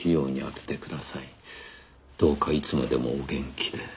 「どうかいつまでもお元気で」